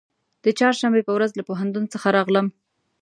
د چهارشنبې په ورځ له پوهنتون څخه راغلم.